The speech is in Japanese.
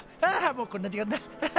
もうこんな時間だ。